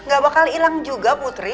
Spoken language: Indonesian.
gak bakal hilang juga putri